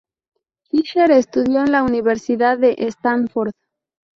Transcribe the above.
Fisher estudió en la Universidad de Stanford.